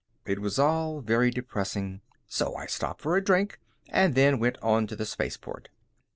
It was all very depressing, so I stopped for a drink, then went on to the spaceport.